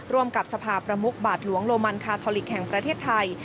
ร่วมกับสภาประมุกบาทหลวงโลมันคาทอลิกแห่งประเทศไทย